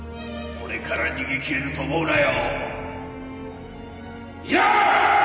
俺から逃げ切れると思うなよ！